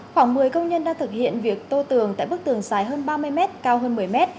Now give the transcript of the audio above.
khoảng một mươi công nhân đang thực hiện việc tô tường tại bức tường dài hơn ba mươi mét cao hơn một mươi m